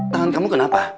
tangan kamu kenapa